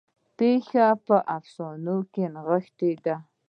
پیښې په افسانو کې نغښتې دي.